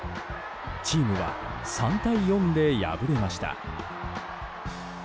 チームは３対４で敗れました。